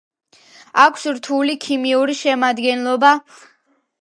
აქვს რთული ქიმიური შემადგენლობა.